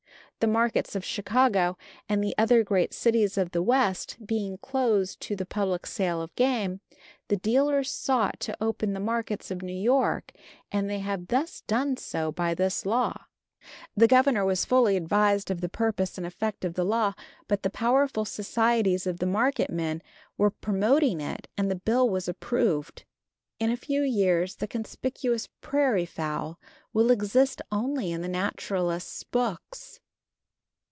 The markets of Chicago and the other great cities of the West being closed to the public sale of game, the dealers sought to open the markets of New York, and they have thus done so by this law. The Governor was fully advised of the purpose and effect of the law, but the powerful societies of the market men were promoting it and the bill was approved. In a few years the conspicuous prairie fowl will exist only in the naturalists' books.